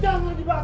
jangan dibahas lagi